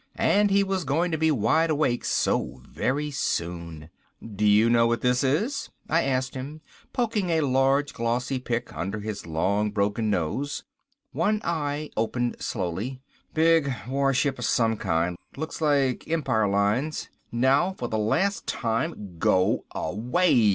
And he was going to be wide awake so very soon. "Do you know what this is?" I asked him, poking a large glossy pic under his long broken nose. One eye opened slowly. "Big warship of some kind, looks like Empire lines. Now for the last time go away!"